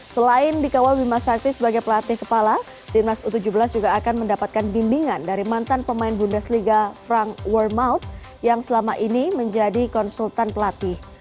selain dikawal bima sakti sebagai pelatih kepala timnas u tujuh belas juga akan mendapatkan bimbingan dari mantan pemain bundesliga frank wormaut yang selama ini menjadi konsultan pelatih